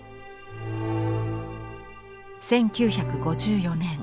１９５４年。